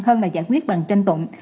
hơn là giải quyết bằng tranh tụng